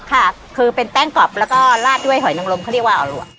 ค่ะคือเป็นแป้งกรอบแล้วก็ลาดด้วยหอยนังลมเขาเรียกว่าออรัว